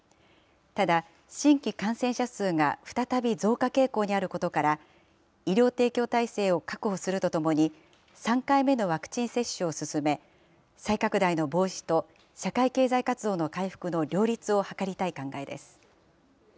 ただ、新規感染者数が再び増加傾向にあることから、医療提供体制を確保するとともに、３回目のワクチン接種を進め、再拡大の防止と社会経済活動の回復の両立を図りたい考えです。